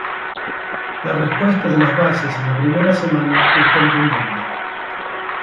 La respuesta de las bases en la primera semana es contundente.